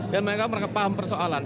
dan mereka paham persoalan